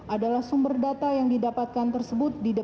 adalah sumber data yang didapatkan tersebut